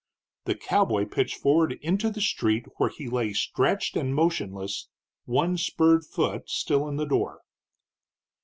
The cowboy pitched forward into the street, where he lay stretched and motionless, one spurred foot still in the door.